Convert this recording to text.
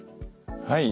はい。